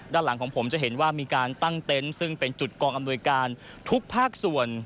ด้านหลังของผมจะเห็นว่ามีการตั้งเต็นต์ซึ่งเป็นจุดกองอำนวยการทุกภาคส่วน